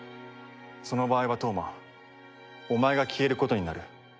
その場合は飛羽真お前が消えることになる。